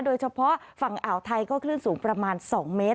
โดยเฉพาะฝั่งอ่าวไทยก็คลื่นสูงประมาณ๒เมตร